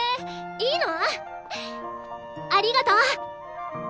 いいの？ありがと！